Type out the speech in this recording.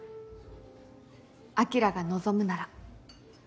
晶が望むなら。